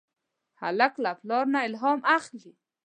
هلک له پلار نه الهام اخلي.